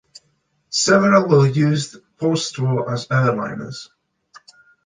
Several were used postwar as airliners.